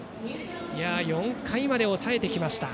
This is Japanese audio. ４回まで抑えてきました